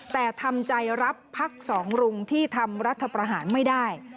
แต่ทำใจรับพักสองรุงที่ทำรัฐประหารไม่ได้